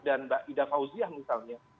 dan mbak ida fauziah misalnya